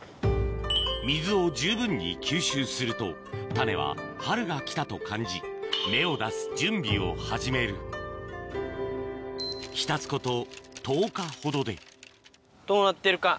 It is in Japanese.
水を十分に吸収すると種は春が来たと感じ芽を出す準備を始める浸すこと１０日ほどでどうなってるか？